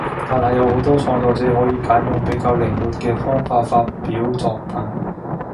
但係有好多創作者可以揀用比較靈活嘅方法發表作品